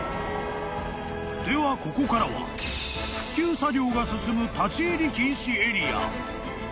［ではここからは復旧作業が進む立ち入り禁止エリア］